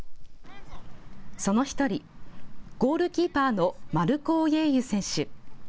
その１人、ゴールキーパーのマルコ・オイェユ選手。